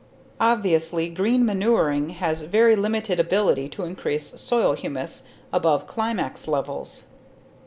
Obviously, green manuring has very limited ability to increase soil humus above climax levels.